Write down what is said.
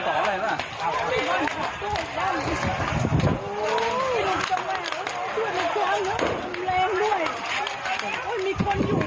โอ้โหลุกต่อมาแล้วช่วยลุกต่อแล้วแรงด้วยโอ้ยมีคนอยู่ไหมเนี้ย